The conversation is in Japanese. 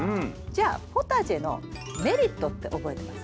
じゃあポタジェのメリットって覚えてます？